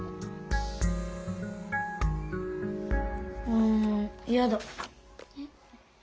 うんやだ。えっ？